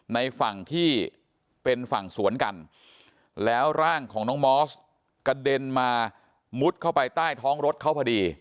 ในฝั่งที่เป็นฝั่งสวนกันแล้วร่างของน้องมอสกระเด็นมามุดเข้าไปใต้ท้องรถเขาพอดี